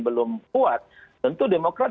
belum kuat tentu demokrat